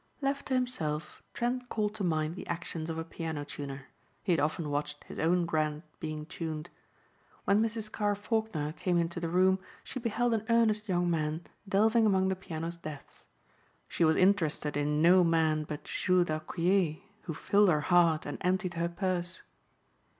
Left to himself Trent called to mind the actions of a piano tuner. He had often watched his own grand being tuned. When Mrs. Carr Faulkner came into the room she beheld an earnest young man delving among the piano's depths. She was interested in no man but Jules d'Aucquier who filled her heart and emptied her purse.